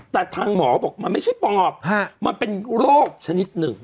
แต่ทางหมอบอกมันไม่ใช่ปอบมันเป็นโรคชนิดหนึ่ง